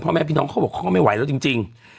แม่พี่น้องเขาบอกเขาก็ไม่ไหวแล้วจริง